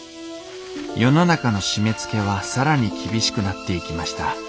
世の中の締めつけは更に厳しくなっていきました。